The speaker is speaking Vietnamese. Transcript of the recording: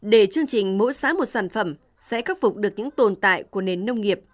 để chương trình mỗi xã một sản phẩm sẽ khắc phục được những tồn tại của nền nông nghiệp